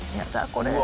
これ。